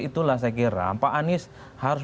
itulah saya kira pak anies harus